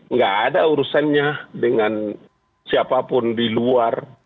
nggak ada urusannya dengan siapapun di luar